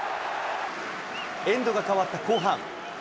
エンドが変わった後半。